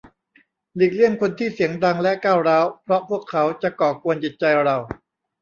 หลีกเลี่ยงคนที่เสียงดังและก้าวร้าว เพราะพวกเขาจะก่อกวนจิตใจเรา